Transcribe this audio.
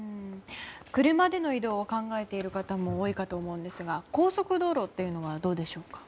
車での移動を考えている方も多いかと思うんですが高速道路というのはどうでしょうか。